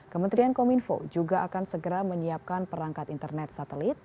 kementerian kominfo juga akan segera menyiapkan perangkat internet satelit